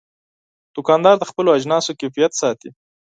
دوکاندار د خپلو اجناسو کیفیت ساتي.